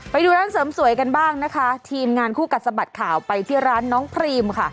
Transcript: ไปดูร้านเสริมสวยกันบ้างนะคะทีมงานคู่กัดสะบัดข่าวไปที่ร้านน้องพรีมค่ะ